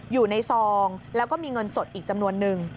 ซองแล้วก็มีเงินสดอีกจำนวนนึง